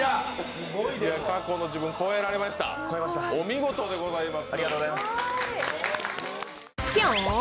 過去の自分を超えられました、お見事でございます。